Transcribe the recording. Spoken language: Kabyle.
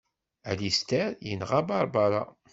Alister yenɣa Barbara.